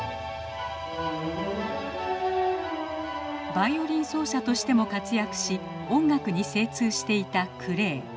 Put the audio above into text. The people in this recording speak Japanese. バイオリン奏者としても活躍し音楽に精通していたクレー。